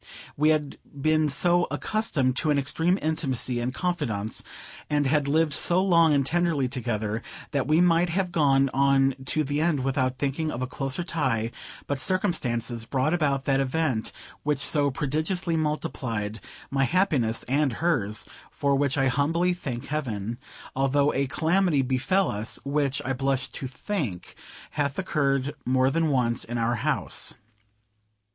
We had been so accustomed to an extreme intimacy and confidence, and had lived so long and tenderly together, that we might have gone on to the end without thinking of a closer tie; but circumstances brought about that event which so prodigiously multiplied my happiness and hers (for which I humbly thank Heaven), although a calamity befell us, which, I blush to think, hath occurred more than once in our house.